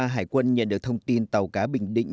hải quân nhận được thông tin tàu cá bình định